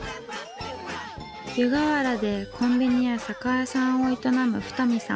湯河原でコンビニや酒屋さんを営む二見さん。